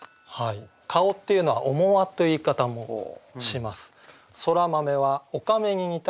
「顔」っていうのは「面輪」という言い方もします。